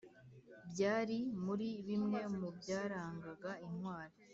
byari muri bimwe mu byarangaga intwari.